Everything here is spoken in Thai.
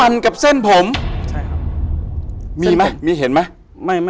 อันนี้มันให้เห็นไหม